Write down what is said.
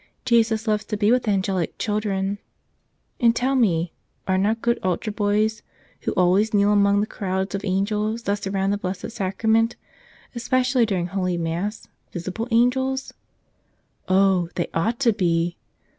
Jesus loves to be with angelic children. And, tell me, are not good altar boys, who always kneel among the crowds of angels that surround the Blessed Sacrament, especially during Holy Mass, vis¬ ible angels? Oh, they ought to be!